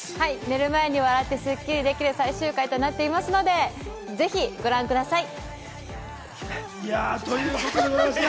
寝る前に笑って、すっきりできる最終回となっていますので、ぜひご覧ください。